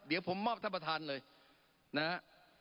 เดี๋ยวผมมอบท่านประธานเลยนะฮะ